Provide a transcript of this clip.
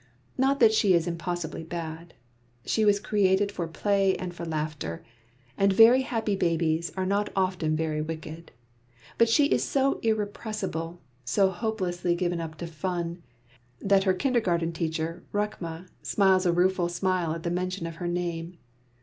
Not that she is impossibly bad. She was created for play and for laughter, and very happy babies are not often very wicked; but she is so irrepressible, so hopelessly given up to fun, that her kindergarten teacher, Rukma, smiles a rueful smile at the mention of her name.